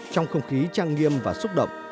trong không khí trang nghiêm và xúc động